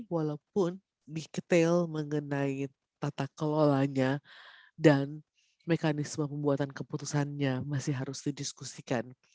walaupun lebih detail mengenai tata kelolanya dan mekanisme pembuatan keputusannya masih harus didiskusikan